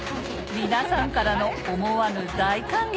皆さんからの思わぬ大歓迎！